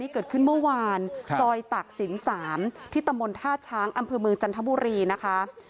เกิดขึ้นเมื่อวานซอยต่างสินสามที่ตะมนต์ธาตุช้างอ่ำเภอเมืองจันทะบุรีนะค่ะ